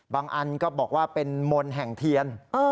อันก็บอกว่าเป็นมนต์แห่งเทียน